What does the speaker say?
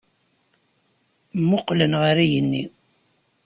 Mmuqqlen ɣer yigenni.